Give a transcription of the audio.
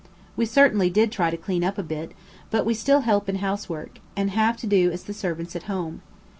We certainly did try to clean up a bit, but we still help in housework, and have to do as the servants at home.